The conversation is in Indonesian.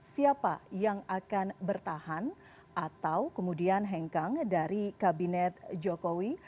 siapa yang akan bertahan atau kemudian hengkang dari kabinet jokowi